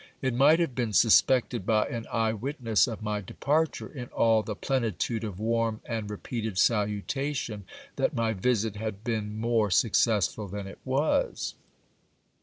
It might have been suspected by an eye witness of my departure, in all the plenitude of warm and repeated saluta tion, that my visit had been more successful than it was.